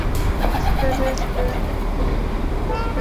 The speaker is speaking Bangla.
মাস্টারের হয়ে আমাদের সম্পর্কে গোয়েন্দাগিরি করেছিলি, তাই না?